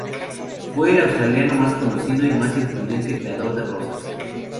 Fue el australiano más conocido y más influyente creador de rosas.